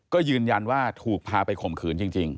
ก็ยืนยันว่าถูกพาไปข่มขืนจริง